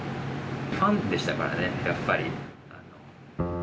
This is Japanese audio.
ファンでしたからね、やっぱり。